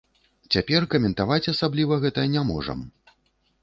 Цяпер каментаваць асабліва гэта не можам.